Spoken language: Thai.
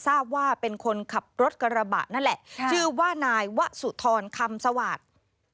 ทราบว่าเป็นคนขับรถกระบะนั่นแหละชื่อว่านายวะสุธรคำสวาสตร์